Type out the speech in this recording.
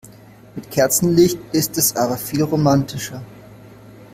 Mit Kerzenlicht ist es aber viel romantischer.